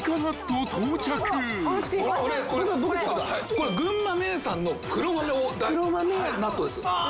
これ群馬名産の黒豆納豆です。